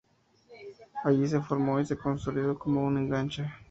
Allí se formó y se consolidó como un enganche.